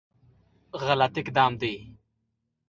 غلط اقدام دی.